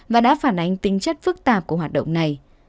và đã phản ánh tính chất phức tạp của hoạt động này